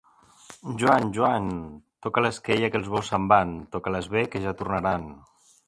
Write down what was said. Joan, Joan, toca l'esquella que els bous se'n van; toca-les bé, que ja tornaran.